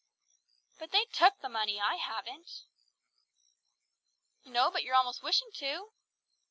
"But they took the money; I haven't." "No, but you're almost wishing to!"